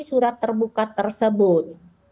surat terbuka tersebut